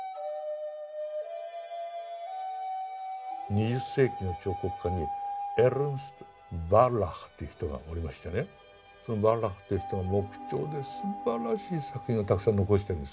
２０世紀の彫刻家にエルンスト・バルラハという人がおりましてねそのバルラハという人が木彫ですばらしい作品をたくさん残してるんです。